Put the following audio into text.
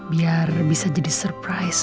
biar bisa jadi surprise